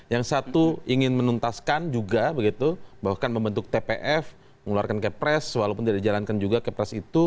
yang satu ingin menuntaskan juga begitu bahwa kan membentuk tpf mengeluarkan kepres walaupun tidak dijalankan juga kepres itu